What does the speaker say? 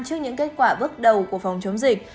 trước những kết quả bước đầu của phòng chống dịch